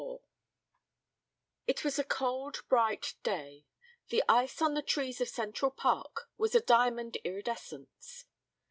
XXIV It was a cold bright day. The ice on the trees of Central Park was a diamond iridescence.